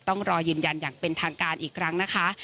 ต้องรอยืนยันอย่างเป็นทางการอีกครั้งนะคะ